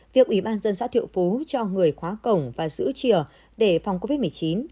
việc ủy ban dân xã thiệu phú cho người khóa cổng và giữ chìa để phòng covid một mươi chín